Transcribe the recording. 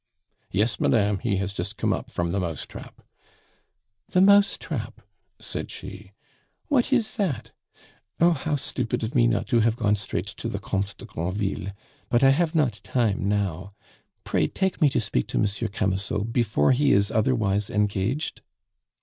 "Yes, madame, he has just come up from the 'mousetrap.'" "The mousetrap!" said she. "What is that? Oh! how stupid of me not to have gone straight to the Comte de Granville. But I have not time now. Pray take me to speak to Monsieur Camusot before he is otherwise engaged."